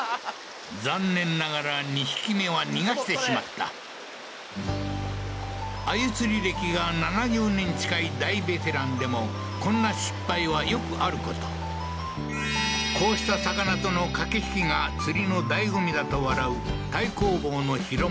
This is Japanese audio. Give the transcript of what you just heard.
残念ながら２匹目は逃がしてしまった鮎釣り歴が７０年近い大ベテランでもこんな失敗はよくあることこうした魚との駆け引きが釣りの醍醐味だと笑う太公望の弘さん